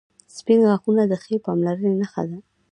• سپین غاښونه د ښې پاملرنې نښه ده.